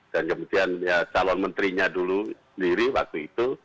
dan kemudian calon menterinya dulu sendiri waktu itu